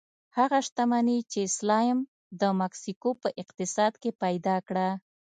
هغه شتمني چې سلایم د مکسیکو په اقتصاد کې پیدا کړه.